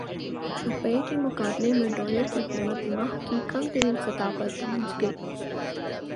روپے کے مقابلے میں ڈالر کی قدر ماہ کی کم ترین سطح پر پہنچ گئی